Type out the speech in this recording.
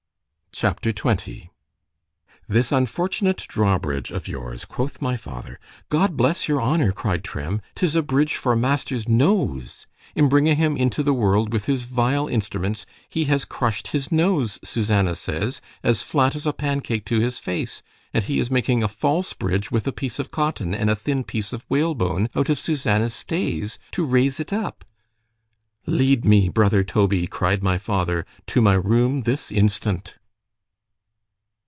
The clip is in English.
C H A P. XX ——THIS unfortunate draw bridge of yours, quoth my father——God bless your honour, cried Trim, 'tis a bridge for master's nose.——In bringing him into the world with his vile instruments, he has crushed his nose, Susannah says, as flat as a pancake to his face, and he is making a false bridge with a piece of cotton and a thin piece of whalebone out of Susannah 's stays, to raise it up. ——Lead me, brother Toby, cried my father, to my room this instant.